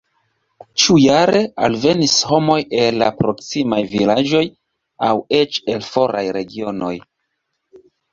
Ĉiujare alvenis homoj el la proksimaj vilaĝoj aŭ eĉ el foraj regionoj.